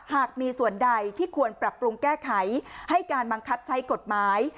หากมีส่วนใดที่ควรปรับปรุงแก้ไขให้การบังคับใช้กฎหมาย